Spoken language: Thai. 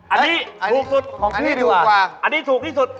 อันนี้ถูกสุดของพี่ถูกกว่าอันนี้ถูกที่สุด